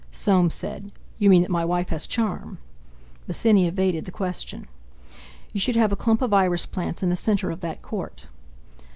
Soames said: "You mean that my wife has charm!" Bosinney evaded the question. "You should have a clump of iris plants in the centre of that court."